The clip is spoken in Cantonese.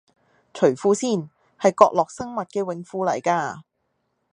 除褲先，係角落生物嘅泳褲嚟㗎